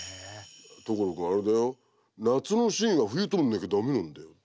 「所君あれだよ夏のシーンは冬撮んなきゃ駄目なんだよ」って。